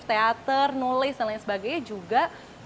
teater nulis dan lain sebagainya juga